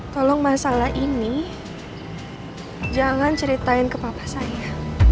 tolong masalah ini jangan ceritain ke papa saya